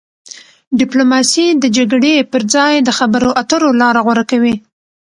ډیپلوماسي د جګړې پر ځای د خبرو اترو لاره غوره کوي.